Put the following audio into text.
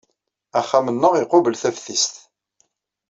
Axxam-nneɣ iqubel taftist.